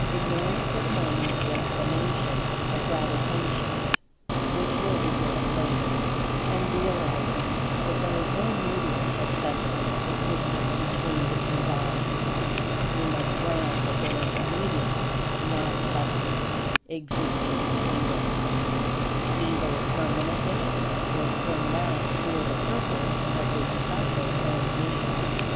Ignoring for the moment the explanation of Gravitations (which will be given later) and realizing that there is no medium of Substance existing between the two bodies, we must grant that there is a "medium not Substance" existing between them, either permanently or thrown out for the purpose of this special transmission.